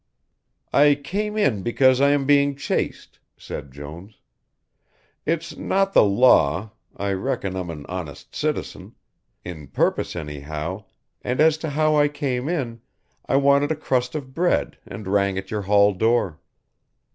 "I came in because I am being chased," said Jones. "It's not the law, I reckon I'm an honest citizen in purpose, anyhow, and as to how I came in I wanted a crust of bread and rang at your hall door."